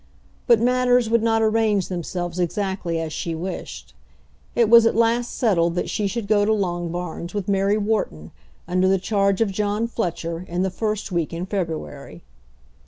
But matters would not arrange themselves exactly as she wished. It was at last settled that she should go to Longbarns with Mary Wharton under the charge of John Fletcher in the first week in February.